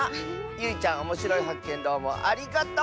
ゆいちゃんおもしろいはっけんどうもありがとう！